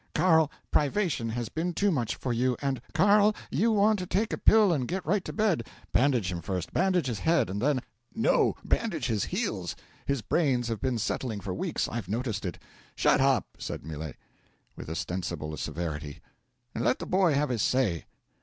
Carl, privation has been too much for you, and " '"Carl, you want to take a pill and get right to bed." '"Bandage him first bandage his head, and then " '"No, bandage his heels; his brains have been settling for weeks I've noticed it." '"Shut up!" said Millet, with ostensible severity, "and let the boy have his say.